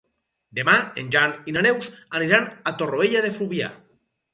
Demà en Jan i na Neus aniran a Torroella de Fluvià.